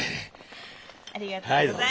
ありがとうございます。